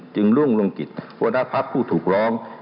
จึงร่วงลงกิจวัตรภักษ์ผู้ถูกร้อง